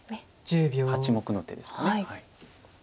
８目の手ですか。